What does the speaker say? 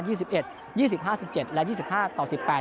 สิบเอ็ดยี่สิบห้าสิบเจ็ดและยี่สิบห้าต่อสิบแปด